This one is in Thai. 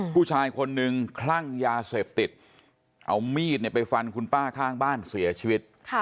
ผู้ชายคนนึงคลั่งยาเสพติดเอามีดไปฟันคุณป้าข้างบ้านเสียชีวิต